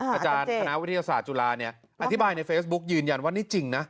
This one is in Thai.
อาจารย์คณะวิทยาศาสตร์จุฬาเนี่ยอธิบายในเฟซบุ๊กยืนยันว่านี่จริงนะ